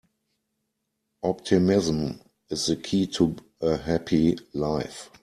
Optimism is the key to a happy life.